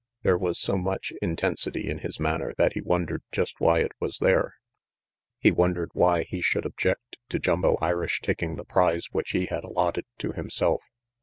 There was so much intensity in his manner that he wondered just why it was there. He wondered why he should object to Jumbo Irish taking the prize which he had allotted to himself.